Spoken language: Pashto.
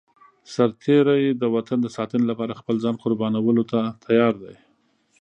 سرتېری د وطن د ساتنې لپاره خپل ځان قربانولو ته تيار دی.